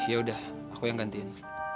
ya udah aku yang gantiin